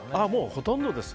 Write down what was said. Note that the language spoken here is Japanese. ほとんどです。